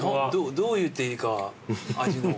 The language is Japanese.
どう言っていいか味の。